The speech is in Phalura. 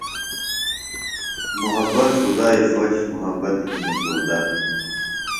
محبت خُدائی خوش محبت ہِنیۡ خوردہ۔